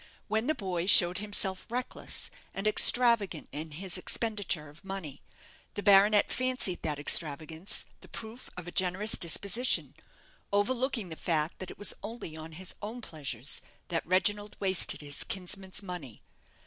When the boy showed himself reckless and extravagant in his expenditure of money, the baronet fancied that extravagance the proof of a generous disposition, overlooking the fact that it was only on his own pleasures that Reginald wasted his kinsman's money.